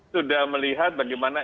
sudah melihat bagaimana